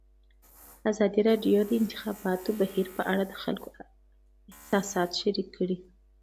ازادي راډیو د د انتخاباتو بهیر په اړه د خلکو احساسات شریک کړي.